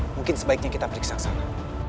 mungkin sebaiknya kita periksa sana